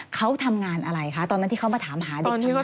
เขาทำงานอะไรคะตอนนั้นที่เขามาถามหาเด็กอยู่